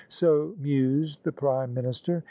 So mused the Prime Minister.